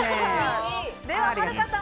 でははるかさん